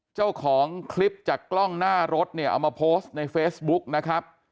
เจ้าของคลิปจากกล้องหน้ารถเนี่ยเอามาโพสต์ในเฟซบุ๊กนะครับ